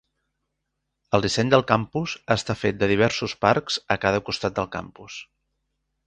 El disseny del campus està fet de diversos parcs a cada costat del campus.